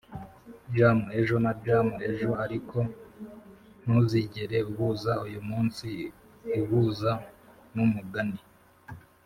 jam ejo na jam ejo, ariko ntuzigere uhuza uyumunsi ihuza numugani